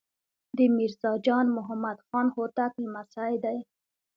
د میرزا جان محمد خان هوتک لمسی دی.